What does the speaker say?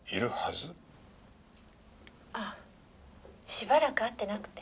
あっしばらく会ってなくて。